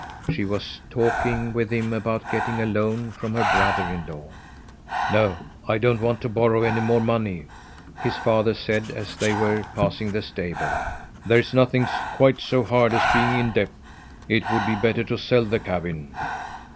She was talking with him about getting a loan from her brother in law. "No, I don't want to borrow any more money," his father said, as they were passing the stable. "There's nothing quite so hard as being in debt. It would be better to sell the cabin."